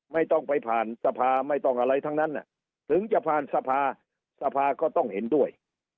ไม่ต้องไปผ่านสภาไม่ต้องอะไรทั้งนั้นถึงจะผ่านสภาสภาก็ต้องเห็นด้วย